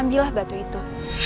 ambilah batu itu